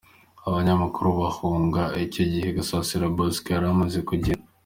Abanyamakuru bahunga : Icyo gihe Gasasira Bosco yari amaze kugenda.